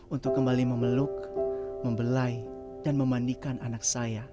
untuk kembali memeluk membelai dan memandikan anak saya